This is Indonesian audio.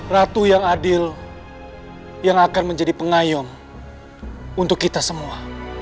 ratu yang adil yang akan menjadi pengayom untuk kita semua